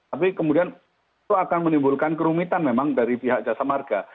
tapi kemudian itu akan menimbulkan kerumitan memang dari pihak jasa marga